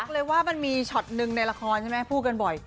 เลยว่ามันมีช็อตหนึ่งในละครใช่ไหมพูดกันบ่อย